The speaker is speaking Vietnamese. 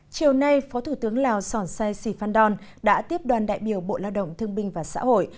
chiều nay phó thủ tướng lào sòn sai sì phan đòn đã tiếp đoàn đại biểu bộ lao động thương binh và xã hội